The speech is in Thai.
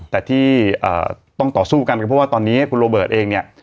แต่ที่ต้องต่อสู้กันก็เพราะว่าตอนนี้คุณโรเบิร์ตเองเนี่ย